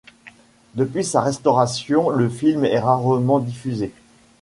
Depuis sa restauration, le film est rarement diffusé.